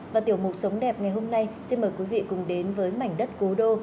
và tiểu mục sống đẹp ngày hôm nay xin mời quý vị cùng đến với mảnh đất cố đô